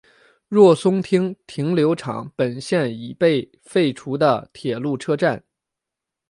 若松町停留场本线已被废除的铁路车站。